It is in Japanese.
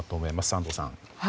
安藤さん。